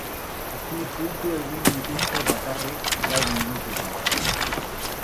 Bi puntu egin dituzte bakarrik, lau minututan.